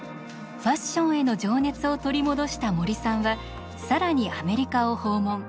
ファッションへの情熱を取り戻した森さんは更にアメリカを訪問。